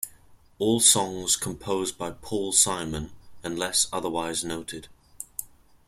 All songs composed by Paul Simon unless otherwise noted.